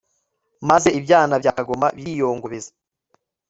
maze ibyana bya kagoma biriyongobeze